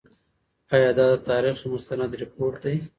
آیا دا د تاریخ یو مستند رپوټ دی؟